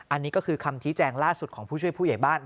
อันนี้ก็คือคำชี้แจงล่าสุดของผู้ช่วยผู้ใหญ่บ้าน